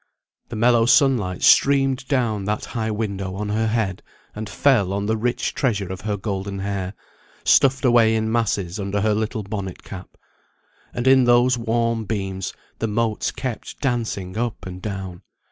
The mellow sunlight streamed down that high window on her head, and fell on the rich treasure of her golden hair, stuffed away in masses under her little bonnet cap; and in those warm beams the motes kept dancing up and down.